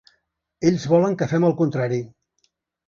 Ells volen que fem el contrari.